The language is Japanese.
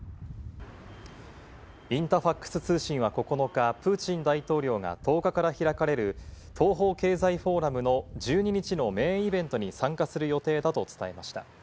インタファックス通信は９日、プーチン大統領が１０日から開かれる、東方経済フォーラムの１２日のメインイベントに参加する予定だと伝えました。